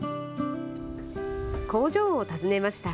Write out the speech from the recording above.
工場を訪ねました。